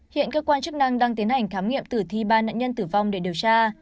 hiện cơ quan chức năng đang tiến hành khám nghiệm tử thi ba nạn nhân tử vong để điều tra